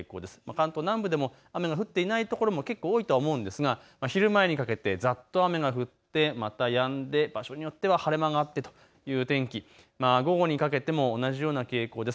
関東南部でも雨が降っていない所も結構多いと思うんですが昼前にかけてざっと雨が降ってまたやんで場所によっては晴れ間があってという天気、午後にかけても同じような傾向です。